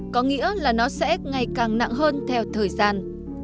có nghĩa là nó sẽ ngày càng nặng hơn theo thời gian